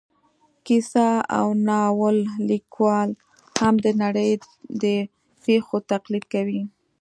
کیسه او ناول لیکوال هم د نړۍ د پېښو تقلید کوي